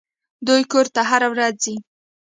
دوى کور ته هره ورځ ځي.